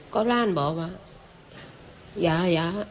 ก็ร่านบอกว่ายายา